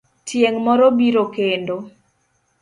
Tieng' moro biro kendo.